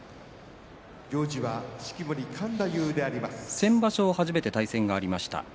先場所初めて対戦がありました。